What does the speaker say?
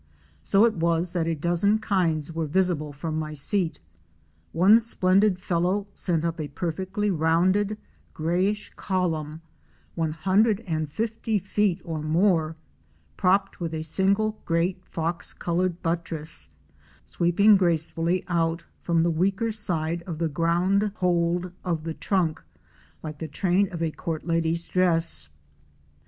So it was that a dozen kinds were visible from my seat. One splendid fellow sent up a perfectly rounded grayish column, one hundred and fifty feet or more, propped with a single great fox colored buttress, sweeping gracefully out from the weaker side of the ground hold of the trunk, like the train of a court lady's dress.